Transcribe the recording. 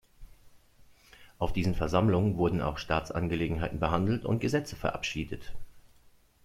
Auf diesen Versammlungen wurden auch Staatsangelegenheiten behandelt und Gesetze verabschiedet.